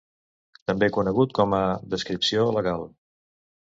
També conegut com a "Descripció Legal".